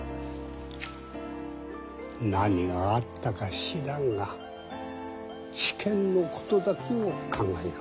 何があったか知らんが試験のことだけを考えろ。